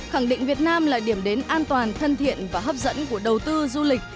khẳng định việt nam là điểm đến an toàn thân thiện và hấp dẫn của đầu tư du lịch